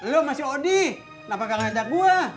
lu sama si odi kenapa kagak ngajak gua